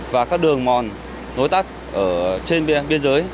và các đường mòn lối tắt trên biên giới